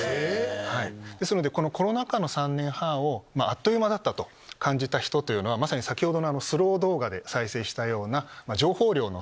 このコロナ禍の３年半をあっという間だと感じた人はまさに先ほどのスロー動画で再生したような。